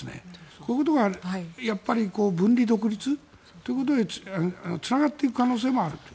こういうことが分離独立ということにつながっていく可能性もあるという。